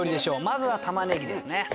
まずは玉ねぎですね。